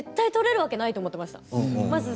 絶対取れるわけがないと思っていました。